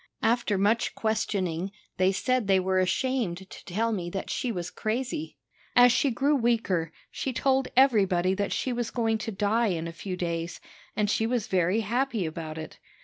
After much questioning, they said they were ashamed to tell me that she was crazy. As she grew weaker, she told everybody that she was going to die in a few days, and she was very happy about it.